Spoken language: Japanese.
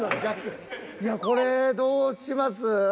いやこれどうします？